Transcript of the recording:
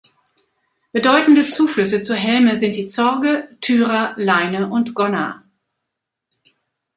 Bedeutende Zuflüsse zur Helme sind die Zorge, Thyra, Leine und Gonna.